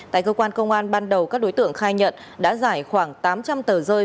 tại cơ quan công an ban đầu các đối tượng khai nhận đã giải khoảng tám trăm linh tờ rơi